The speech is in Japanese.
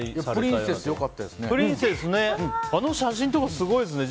あの写真とかすごいですね。